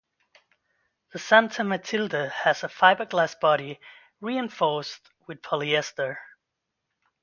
The Santa Matilde has a fiberglass body reinforced with polyester.